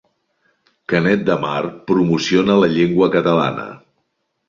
Canet de Mar promociona la llengua catalana